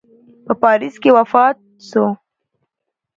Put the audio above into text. په پاریس کې وفات سو.